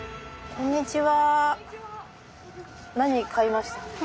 こんにちは。